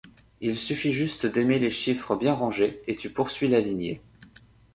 Il suffit juste d’aimer les chiffres bien rangés, et tu poursuis la Lignée.